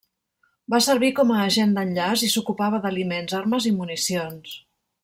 Va servir com a agent d'enllaç i s'ocupava d'aliments, armes i municions.